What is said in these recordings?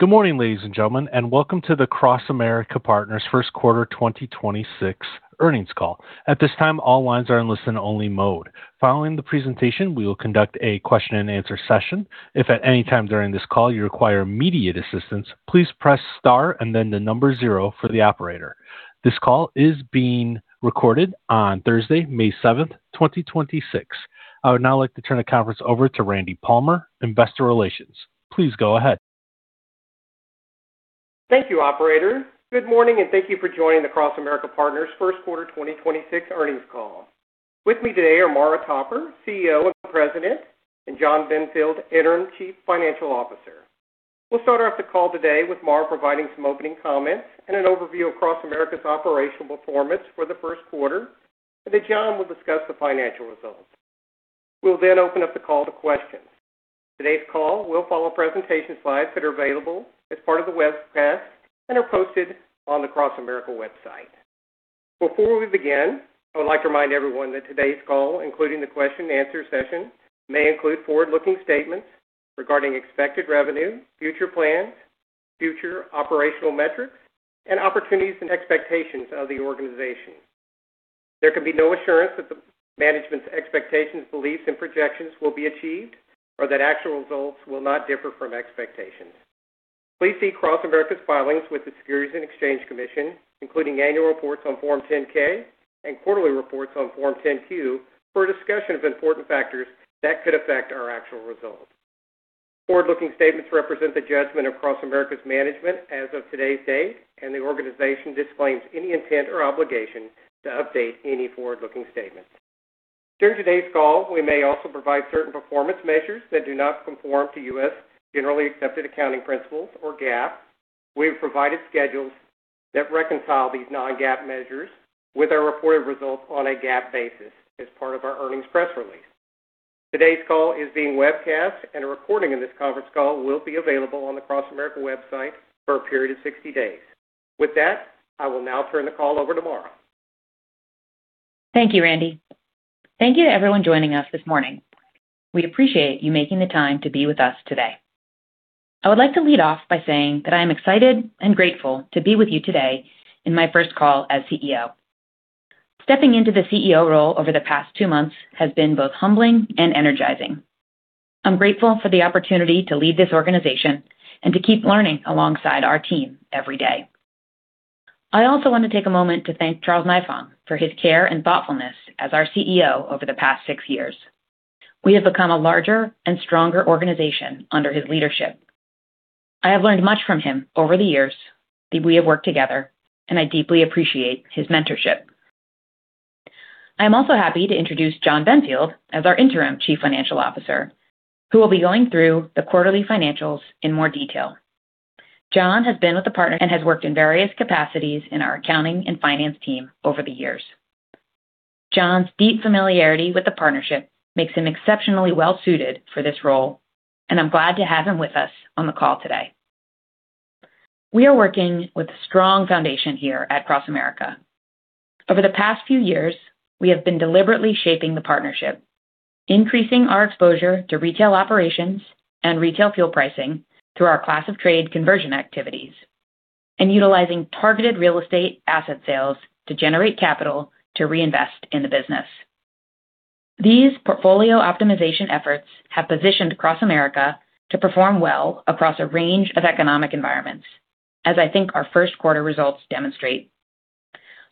Good morning, ladies and gentlemen, and welcome to the CrossAmerica Partners first quarter 2026 earnings call. At this time, all lines are in listen-only mode. Following the presentation, we will conduct a question-and-answer session. If at any time during this call you require immediate assistance, please press star and then the number zero for the operator. This call is being recorded on Thursday, May 7th, 2026. I would now like to turn the conference over to Randy Palmer, Investor Relations. Please go ahead. Thank you, operator. Good morning, thank you for joining the CrossAmerica Partners first quarter 2026 earnings call. With me today are Maura Topper, CEO and President, and Jon Benfield, Interim Chief Financial Officer. We'll start off the call today with Maura providing some opening comments and an overview of CrossAmerica's operational performance for the first quarter. Jon will discuss the financial results. We'll open up the call to questions. Today's call will follow presentation slides that are available as part of the webcast and are posted on the CrossAmerica website. Before we begin, I would like to remind everyone that today's call, including the question-and-answer session, may include forward-looking statements regarding expected revenue, future plans, future operational metrics and opportunities and expectations of the organization. There can be no assurance that the management's expectations, beliefs and projections will be achieved or that actual results will not differ from expectations. Please see CrossAmerica's filings with the Securities and Exchange Commission, including annual reports on Form 10-K and quarterly reports on Form 10-Q for a discussion of important factors that could affect our actual results. Forward-looking statements represent the judgment of CrossAmerica's management as of today's date. The organization disclaims any intent or obligation to update any forward-looking statement. During today's call, we may also provide certain performance measures that do not conform to U.S. generally accepted accounting principles or GAAP. We have provided schedules that reconcile these non-GAAP measures with our reported results on a GAAP basis as part of our earnings press release. Today's call is being webcast, and a recording of this conference call will be available on the CrossAmerica website for a period of 60 days. With that, I will now turn the call over to Maura. Thank you, Randy. Thank you to everyone joining us this morning. We appreciate you making the time to be with us today. I would like to lead off by saying that I am excited and grateful to be with you today in my first call as CEO. Stepping into the CEO role over the past two months has been both humbling and energizing. I'm grateful for the opportunity to lead this organization and to keep learning alongside our team every day. I also want to take a moment to thank Charles Nifong for his care and thoughtfulness as our CEO over the past six years. We have become a larger and stronger organization under his leadership. I have learned much from him over the years that we have worked together, and I deeply appreciate his mentorship. I am also happy to introduce Jon Benfield as our Interim Chief Financial Officer, who will be going through the quarterly financials in more detail. Jon has been with the partners and has worked in various capacities in our accounting and finance team over the years. Jon's deep familiarity with the partnership makes him exceptionally well suited for this role, and I'm glad to have him with us on the call today. We are working with a strong foundation here at CrossAmerica. Over the past few years, we have been deliberately shaping the partnership, increasing our exposure to retail operations and retail fuel pricing through our class of trade conversion activities, and utilizing targeted real estate asset sales to generate capital to reinvest in the business. These portfolio optimization efforts have positioned CrossAmerica to perform well across a range of economic environments, as I think our first quarter results demonstrate.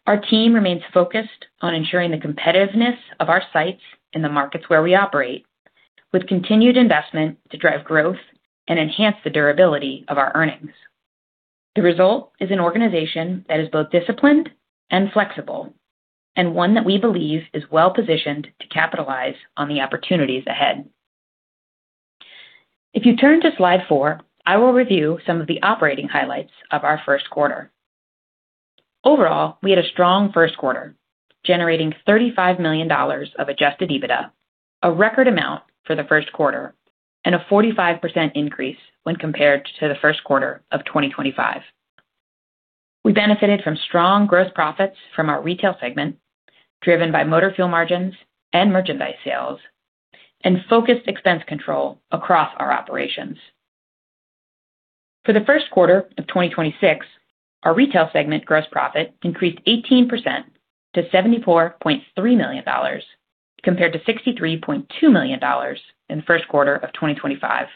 Our team remains focused on ensuring the competitiveness of our sites in the markets where we operate with continued investment to drive growth and enhance the durability of our earnings. The result is an organization that is both disciplined and flexible and one that we believe is well-positioned to capitalize on the opportunities ahead. If you turn to slide four, I will review some of the operating highlights of our first quarter. Overall, we had a strong first quarter, generating $35 million of adjusted EBITDA, a record amount for the first quarter, and a 45% increase when compared to the first quarter of 2025. We benefited from strong gross profits from our retail segment, driven by motor fuel margins and merchandise sales and focused expense control across our operations. For the first quarter of 2026, our retail segment gross profit increased 18% to $74.3 million, compared to $63.2 million in the first quarter of 2025.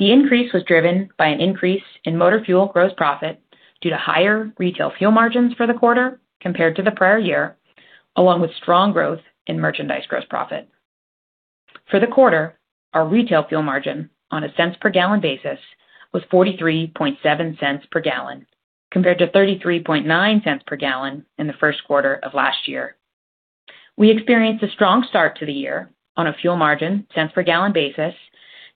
The increase was driven by an increase in motor fuel gross profit due to higher retail fuel margins for the quarter compared to the prior year, along with strong growth in merchandise gross profit. For the quarter, our retail fuel margin on a cents per gallon basis was $0.437 per gal, compared to $0.339 per gal in the first quarter of last year. We experienced a strong start to the year on a fuel margin cents per gallon basis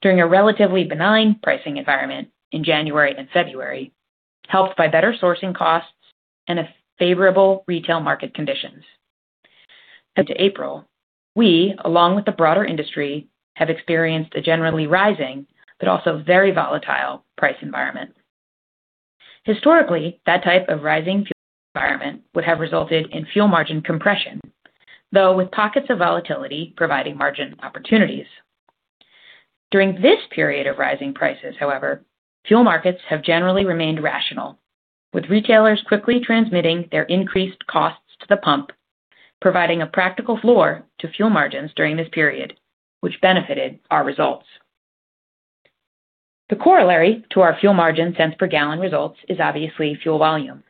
during a relatively benign pricing environment in January and February, helped by better sourcing costs and a favorable retail market conditions. Compared to April, we, along with the broader industry, have experienced a generally rising but also very volatile price environment. Historically, that type of rising fuel environment would have resulted in fuel margin compression, though with pockets of volatility providing margin opportunities. During this period of rising prices, however, fuel markets have generally remained rational, with retailers quickly transmitting their increased costs to the pump, providing a practical floor to fuel margins during this period, which benefited our results. The corollary to our fuel margin cents per gallon results is obviously fuel volume.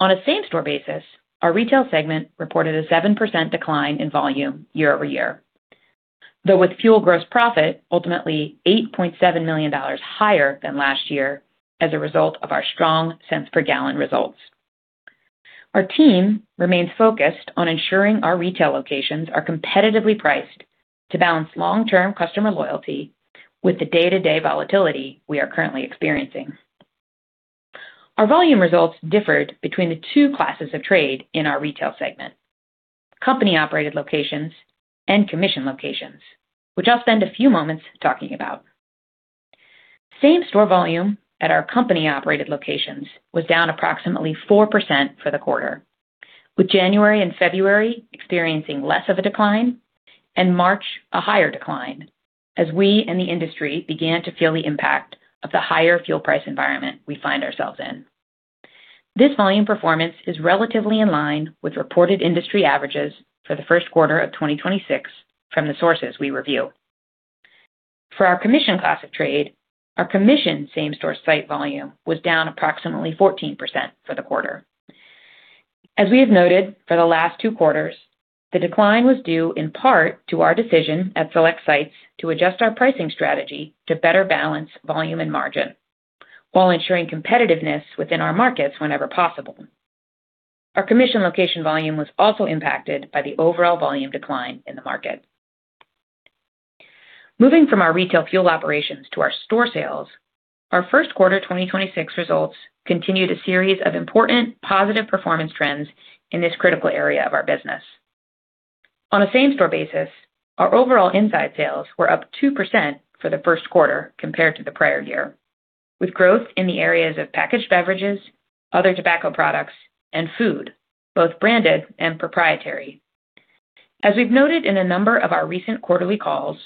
On a same-store basis, our retail segment reported a 7% decline in volume year-over-year, though with fuel gross profit ultimately $8.7 million higher than last year as a result of our strong cents per gallon results. Our team remains focused on ensuring our retail locations are competitively priced to balance long-term customer loyalty with the day-to-day volatility we are currently experiencing. Our volume results differed between the two classes of trade in our retail segment, company-operated locations and commission locations, which I'll spend a few moments talking about. Same-store volume at our company-operated locations was down approximately 4% for the quarter, with January and February experiencing less of a decline and March a higher decline as we and the industry began to feel the impact of the higher fuel price environment we find ourselves in. This volume performance is relatively in line with reported industry averages for the first quarter of 2026 from the sources we review. For our commission class of trade, our commission same-store site volume was down approximately 14% for the quarter. As we have noted for the last two quarters, the decline was due in part to our decision at select sites to adjust our pricing strategy to better balance volume and margin while ensuring competitiveness within our markets whenever possible. Our commission location volume was also impacted by the overall volume decline in the market. Moving from our retail fuel operations to our store sales, our first quarter 2026 results continued a series of important positive performance trends in this critical area of our business. On a same-store basis, our overall inside sales were up 2% for the first quarter compared to the prior year, with growth in the areas of packaged beverages, other tobacco products, and food, both branded and proprietary. As we've noted in a number of our recent quarterly calls,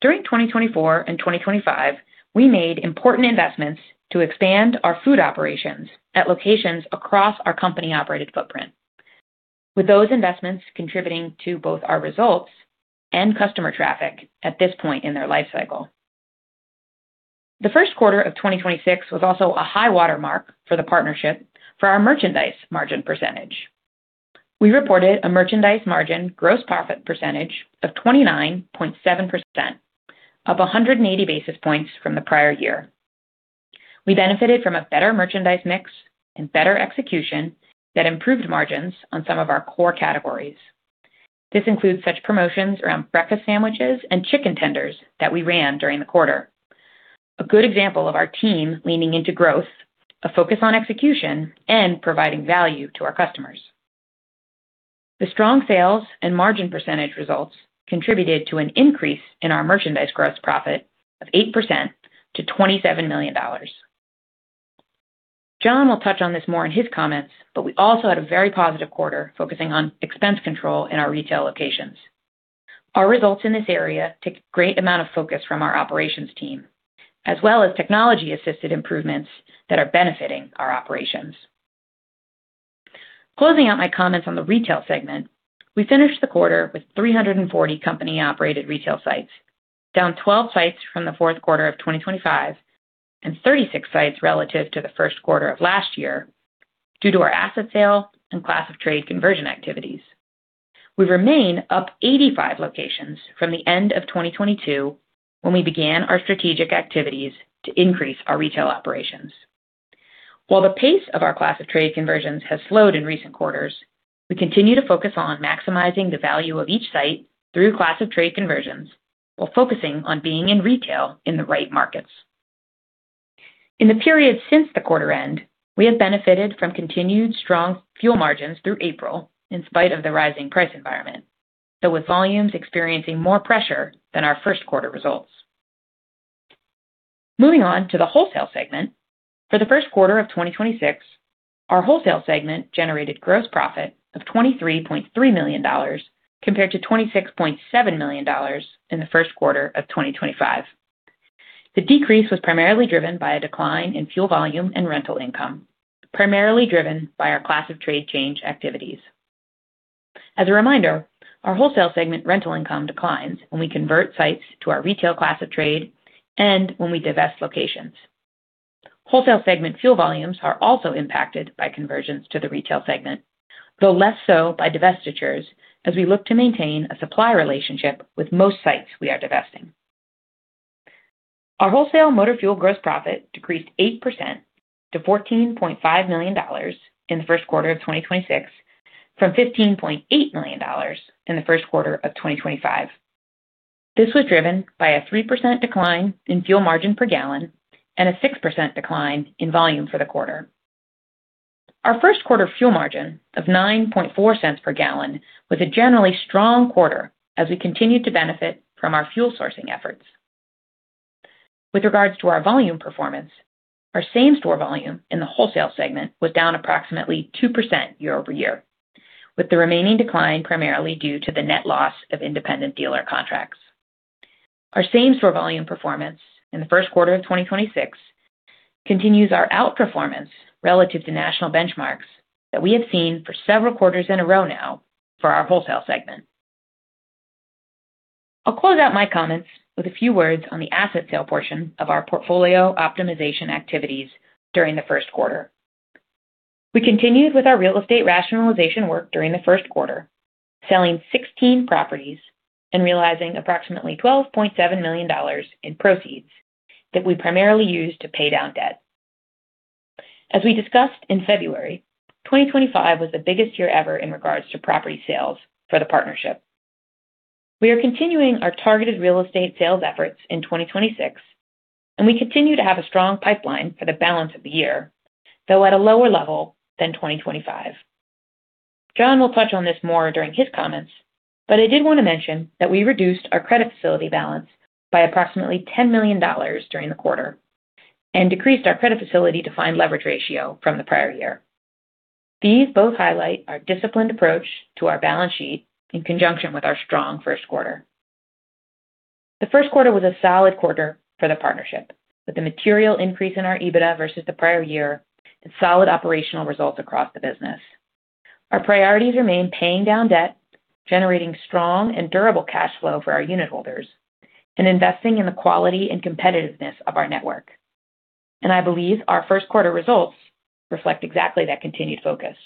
during 2024 and 2025, we made important investments to expand our food operations at locations across our company-operated footprint. With those investments contributing to both our results and customer traffic at this point in their life cycle. The first quarter of 2026 was also a high-water mark for CrossAmerica Partners for our merchandise margin percentage. We reported a merchandise margin gross profit percentage of 29.7%, up 180 basis points from the prior year. We benefited from a better merchandise mix and better execution that improved margins on some of our core categories. This includes such promotions around breakfast sandwiches and chicken tenders that we ran during the quarter. A good example of our team leaning into growth, a focus on execution, and providing value to our customers. The strong sales and margin percentage results contributed to an increase in our merchandise gross profit of 8% to $27 million. Jon will touch on this more in his comments, but we also had a very positive quarter focusing on expense control in our retail locations. Our results in this area take great amount of focus from our operations team, as well as technology-assisted improvements that are benefiting our operations. Closing out my comments on the retail segment, we finished the quarter with 340 company-operated retail sites, down 12 sites from the fourth quarter of 2025 and 36 sites relative to the first quarter of last year due to our asset sale and class of trade conversion activities. We remain up 85 locations from the end of 2022, when we began our strategic activities to increase our retail operations. While the pace of our class of trade conversions has slowed in recent quarters, we continue to focus on maximizing the value of each site through class of trade conversions while focusing on being in retail in the right markets. In the period since the quarter end, we have benefited from continued strong fuel margins through April in spite of the rising price environment, though with volumes experiencing more pressure than our first quarter results. Moving on to the wholesale segment. For the first quarter of 2026, our wholesale segment generated gross profit of $23.3 million compared to $26.7 million in the first quarter of 2025. The decrease was primarily driven by a decline in fuel volume and rental income, primarily driven by our class of trade change activities. As a reminder, our wholesale segment rental income declines when we convert sites to our retail class of trade and when we divest locations. Wholesale segment fuel volumes are also impacted by conversions to the retail segment, though less so by divestitures as we look to maintain a supplier relationship with most sites we are divesting. Our wholesale motor fuel gross profit decreased 8% to $14.5 million in the first quarter of 2026 from $15.8 million in the first quarter of 2025. This was driven by a 3% decline in fuel margin per gallon and a 6% decline in volume for the quarter. Our first quarter fuel margin of $0.094 per gallon was a generally strong quarter as we continued to benefit from our fuel sourcing efforts. With regards to our volume performance, our same-store volume in the wholesale segment was down approximately 2% year-over-year, with the remaining decline primarily due to the net loss of independent dealer contracts. Our same-store volume performance in the first quarter of 2026 continues our outperformance relative to national benchmarks that we have seen for several quarters in a row now for our wholesale segment. I'll close out my comments with a few words on the asset sale portion of our portfolio optimization activities during the first quarter. We continued with our real estate rationalization work during the first quarter, selling 16 properties and realizing approximately $12.7 million in proceeds that we primarily use to pay down debt. As we discussed in February, 2025 was the biggest year ever in regards to property sales for the partnership. We are continuing our targeted real estate sales efforts in 2026, and we continue to have a strong pipeline for the balance of the year, though at a lower level than 2025. Jon will touch on this more during his comments, but I did want to mention that we reduced our credit facility balance by approximately $10 million during the quarter and decreased our credit facility defined leverage ratio from the prior year. These both highlight our disciplined approach to our balance sheet in conjunction with our strong first quarter. The first quarter was a solid quarter for the partnership with the material increase in our EBITDA versus the prior year and solid operational results across the business. Our priorities remain paying down debt, generating strong and durable cash flow for our unit holders, and investing in the quality and competitiveness of our network. I believe our first quarter results reflect exactly that continued focus.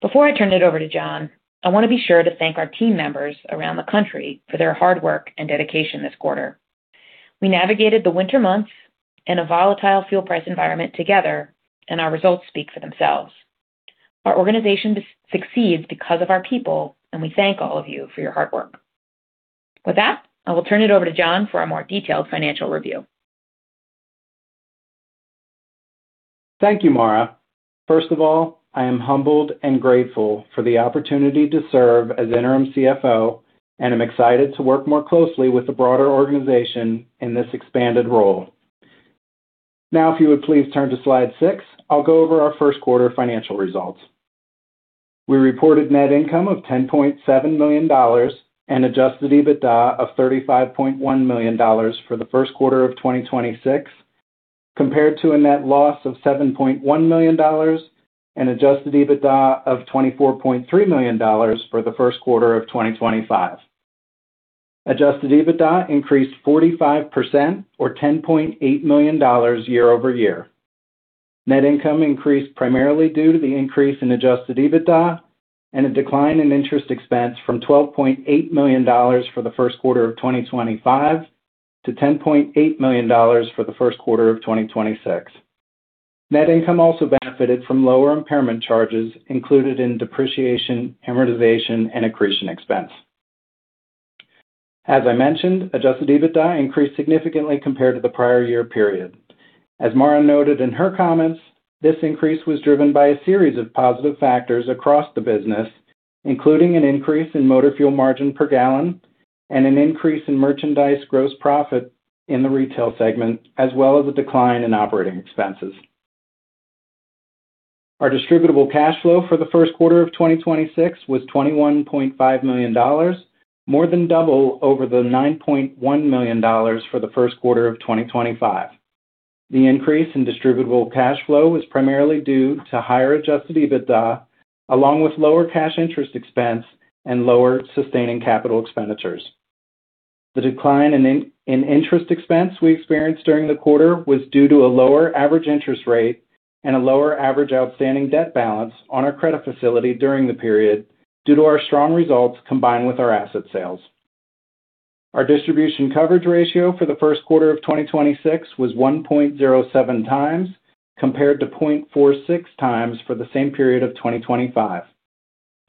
Before I turn it over to Jon, I want to be sure to thank our team members around the country for their hard work and dedication this quarter. We navigated the winter months in a volatile fuel price environment together. Our results speak for themselves. Our organization succeeds because of our people. We thank all of you for your hard work. With that, I will turn it over to Jon for a more detailed financial review. Thank you, Maura. First of all, I am humbled and grateful for the opportunity to serve as interim CFO, and I'm excited to work more closely with the broader organization in this expanded role. If you would, please turn to slide six, I'll go over our first quarter financial results. We reported net income of $10.7 million and adjusted EBITDA of $35.1 million for the first quarter of 2026, compared to a net loss of $7.1 million and adjusted EBITDA of $24.3 million for the first quarter of 2025. Adjusted EBITDA increased 45% or $10.8 million year-over-year. Net income increased primarily due to the increase in adjusted EBITDA and a decline in interest expense from $12.8 million for the first quarter of 2025 to $10.8 million for the first quarter of 2026. Net income also benefited from lower impairment charges included in depreciation, amortization, and accretion expense. As I mentioned, adjusted EBITDA increased significantly compared to the prior year period. As Maura noted in her comments, this increase was driven by a series of positive factors across the business, including an increase in motor fuel margin per gallon and an increase in merchandise gross profit in the retail segment, as well as a decline in operating expenses. Our distributable cash flow for the first quarter of 2026 was $21.5 million, more than double over the $9.1 million for the first quarter of 2025. The increase in distributable cash flow was primarily due to higher adjusted EBITDA, along with lower cash interest expense and lower sustaining capital expenditures. The decline in interest expense we experienced during the quarter was due to a lower average interest rate and a lower average outstanding debt balance on our credit facility during the period due to our strong results combined with our asset sales. Our distribution coverage ratio for the first quarter of 2026 was 1.07x, compared to 0.46x for the same period of 2025.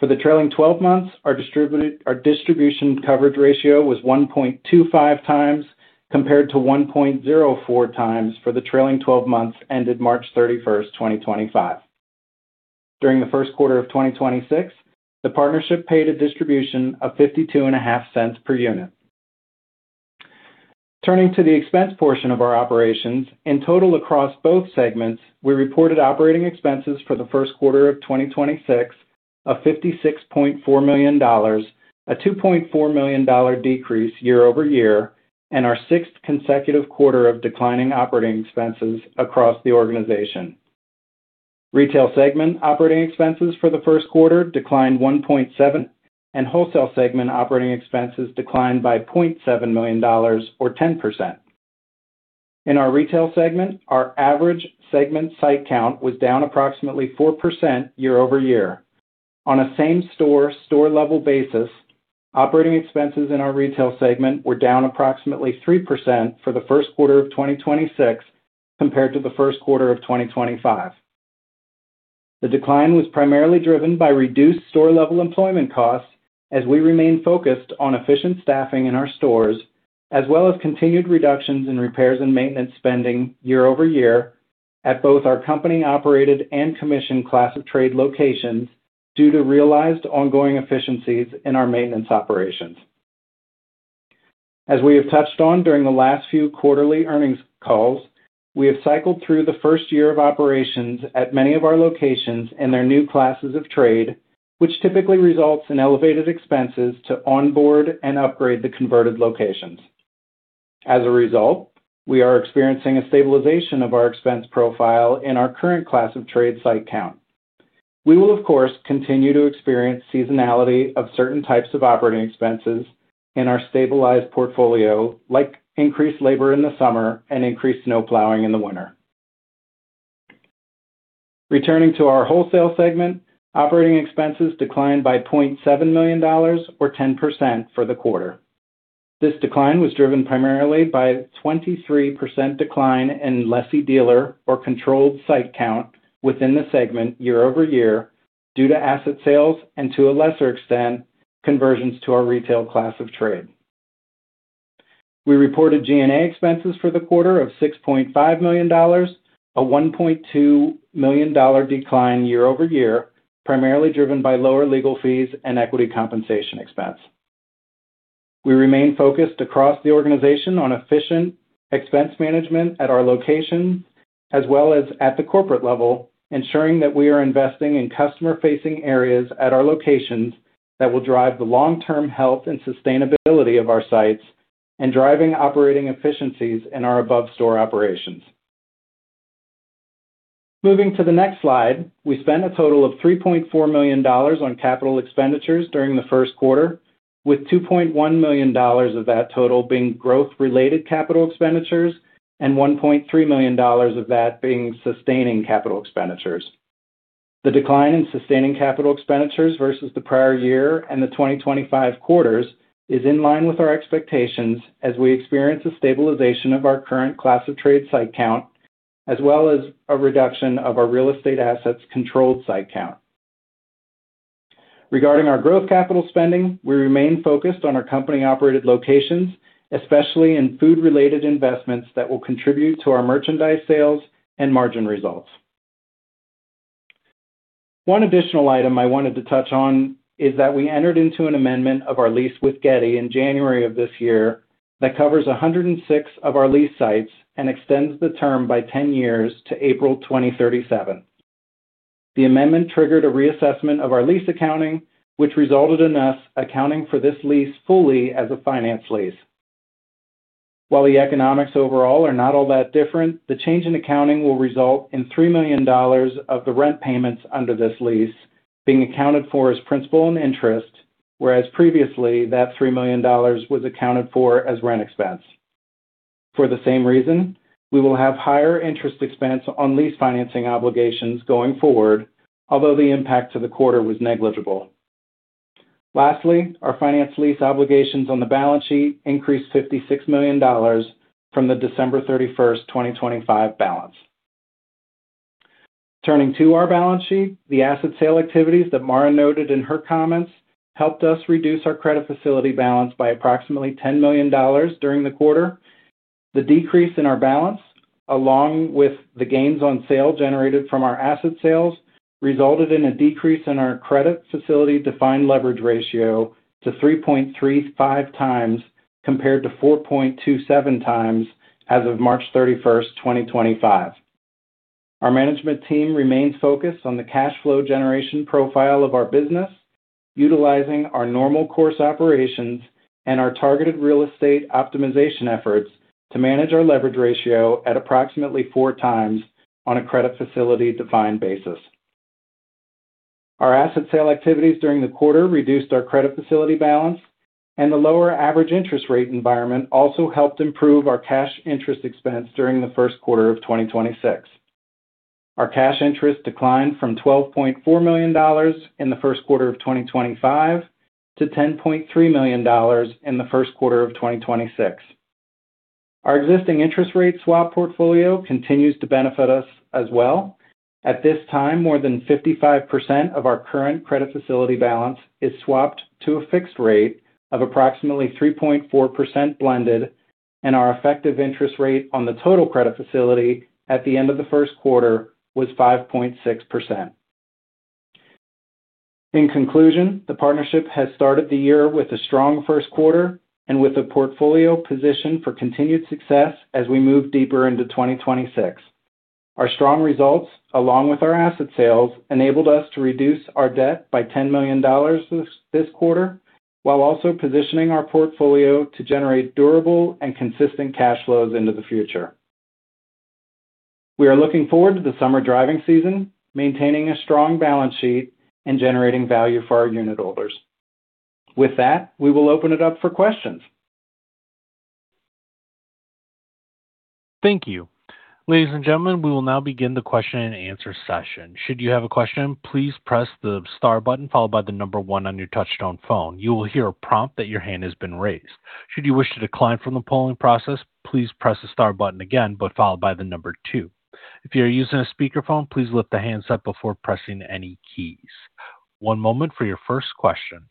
For the trailing 12 months, our distribution coverage ratio was 1.25x compared to 1.04x for the trailing 12 months ended March 31st, 2025. During the first quarter of 2026, the partnership paid a distribution of $0.525 per unit. Turning to the expense portion of our operations, in total across both segments, we reported operating expenses for the first quarter of 2026 of $56.4 million, a $2.4 million decrease year-over-year, and our sixth consecutive quarter of declining operating expenses across the organization. Retail segment operating expenses for the first quarter declined $1.7 million, wholesale segment operating expenses declined by $0.7 million or 10%. In our retail segment, our average segment site count was down approximately 4% year-over-year. On a same-store, store-level basis, operating expenses in our retail segment were down approximately 3% for the first quarter of 2026 compared to the first quarter of 2025. The decline was primarily driven by reduced store-level employment costs as we remain focused on efficient staffing in our stores. As well as continued reductions in repairs and maintenance spending year-over-year at both our company operated and commissioned class of trade locations due to realized ongoing efficiencies in our maintenance operations. As we have touched on during the last few quarterly earnings calls, we have cycled through the first year of operations at many of our locations in their new classes of trade, which typically results in elevated expenses to onboard and upgrade the converted locations. As a result, we are experiencing a stabilization of our expense profile in our current class of trade site count. We will of course, continue to experience seasonality of certain types of operating expenses in our stabilized portfolio, like increased labor in the summer and increased snow plowing in the winter. Returning to our wholesale segment, operating expenses declined by $0.7 million or 10% for the quarter. This decline was driven primarily by a 23% decline in lessee dealer or controlled site count within the segment year-over-year due to asset sales and to a lesser extent, conversions to our retail class of trade. We reported G&A expenses for the quarter of $6.5 million, a $1.2 million decline year-over-year, primarily driven by lower legal fees and equity compensation expense. We remain focused across the organization on efficient expense management at our location as well as at the corporate level, ensuring that we are investing in customer facing areas at our locations that will drive the long-term health and sustainability of our sites and driving operating efficiencies in our above store operations. Moving to the next slide. We spent a total of $3.4 million on capital expenditures during the first quarter, with $2.1 million of that total being growth related capital expenditures and $1.3 million of that being sustaining capital expenditures. The decline in sustaining capital expenditures versus the prior year and the 2025 quarters is in line with our expectations as we experience a stabilization of our current class of trade site count as well as a reduction of our real estate assets controlled site count. Regarding our growth capital spending, we remain focused on our company operated locations, especially in food related investments that will contribute to our merchandise sales and margin results. One additional item I wanted to touch on is that we entered into an amendment of our lease with Getty in January of this year that covers 106 of our lease sites and extends the term by 10 years to April 2037. The amendment triggered a reassessment of our lease accounting, which resulted in us accounting for this lease fully as a finance lease. While the economics overall are not all that different, the change in accounting will result in $3 million of the rent payments under this lease being accounted for as principal and interest, whereas previously that $3 million was accounted for as rent expense. For the same reason, we will have higher interest expense on lease financing obligations going forward, although the impact to the quarter was negligible. Lastly, our finance lease obligations on the balance sheet increased $56 million from the December 31st, 2025 balance. Turning to our balance sheet, the asset sale activities that Maura noted in her comments helped us reduce our credit facility balance by approximately $10 million during the quarter. The decrease in our balance, along with the gains on sale generated from our asset sales, resulted in a decrease in our credit facility defined leverage ratio to 3.35x compared to 4.27x as of March 31st, 2025. Our management team remains focused on the cash flow generation profile of our business, utilizing our normal course operations and our targeted real estate optimization efforts to manage our leverage ratio at approximately 4x on a credit facility defined basis. Our asset sale activities during the quarter reduced our credit facility balance and the lower average interest rate environment also helped improve our cash interest expense during the first quarter of 2026. Our cash interest declined from $12.4 million in the first quarter of 2025 to $10.3 million in the first quarter of 2026. Our existing interest rate swap portfolio continues to benefit us as well. At this time, more than 55% of our current credit facility balance is swapped to a fixed rate of approximately 3.4% blended, and our effective interest rate on the total credit facility at the end of the first quarter was 5.6%. In conclusion, the partnership has started the year with a strong first quarter and with a portfolio position for continued success as we move deeper into 2026. Our strong results, along with our asset sales, enabled us to reduce our debt by $10 million this quarter, while also positioning our portfolio to generate durable and consistent cash flows into the future. We are looking forward to the summer driving season, maintaining a strong balance sheet and generating value for our unit holders. With that, we will open it up for questions. Thank you. Ladies and gentlemen, we will now begin the question-and-answer session. Should you have a question, please press the star button followed by the number one on your touchtone phone. You will hear a prompt that your hand has been raised. Should you wish to decline from the polling process, please press the star button again, but followed by the number two. If you're using a speakerphone, please lift the handset before pressing any keys. One moment for your first question.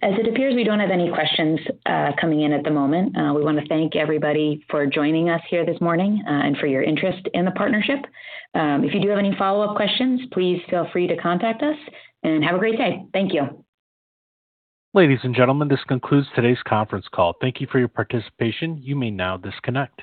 As it appears, we don't have any questions coming in at the moment. We wanna thank everybody for joining us here this morning and for your interest in the partnership. If you do have any follow-up questions, please feel free to contact us, and have a great day. Thank you. Ladies and gentlemen, this concludes today's conference call. Thank you for your participation. You may now disconnect.